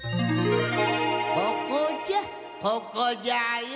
ここじゃここじゃよ。